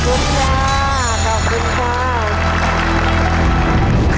ขอบคุณค่ะ